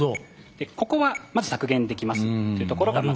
でここはまず削減できますというところがあります。